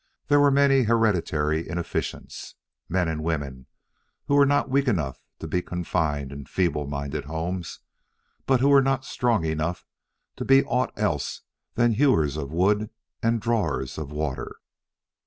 There were many hereditary inefficients men and women who were not weak enough to be confined in feeble minded homes, but who were not strong enough to be ought else than hewers of wood and drawers of water.